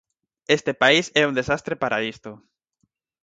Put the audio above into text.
Este país é un desastre para isto.